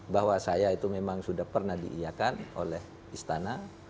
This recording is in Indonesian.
bahwa saya itu memang sudah pernah diiakan oleh istana